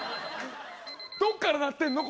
どっから鳴ってんの？